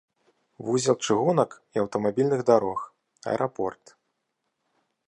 Вузел чыгунак і аўтамабільных дарог, аэрапорт.